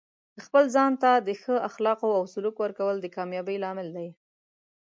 د خپل ځان ته د ښه اخلاقو او سلوک ورکول د کامیابۍ لامل دی.